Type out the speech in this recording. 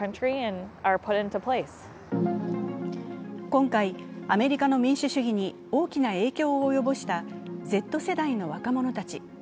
今回、アメリカの民主主義に大きな影響を及ぼしたＺ世代の若者たち。